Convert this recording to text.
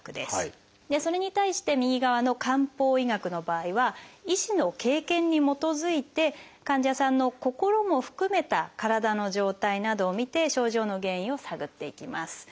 それに対して右側の漢方医学の場合は医師の経験に基づいて患者さんの心も含めた体の状態などを診て症状の原因を探っていきます。